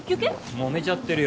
もめちゃってるよ